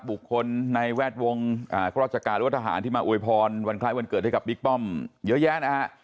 ปลูกคนในแวดวงศ์กรศกาลุทธหารที่มาอวยพรวันคล้ายวันเกิดด้วยกับบิ๊กป้อมเยอะแยะนะฮะ